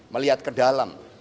melihat ke dalam